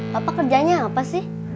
papa kerjanya apa sih